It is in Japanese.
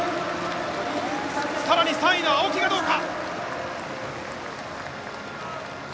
さらに３位の青木がどうか。